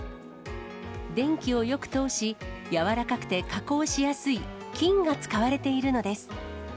電気をよく通し、柔らかくて加工しやすい金が使われているのです。